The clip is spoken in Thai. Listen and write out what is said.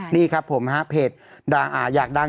นี่ครับผมครับเพจอ่าอยากดัง